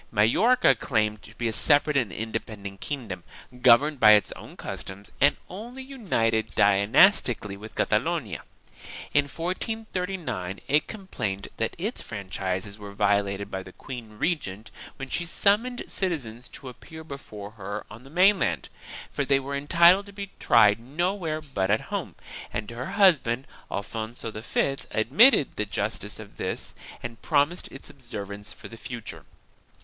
Majorca claimed to be a separate and independent kingdom, governed by its own customs and only united dynastically with Catalonia. In 1439 it complained that its franchises were vio lated by the queen regent when she summoned citizens to appear before her on the mainland, for they were entitled to be tried nowhere but at home, and her husband Alfonso V admitted the justice of this and promised its observance for the future.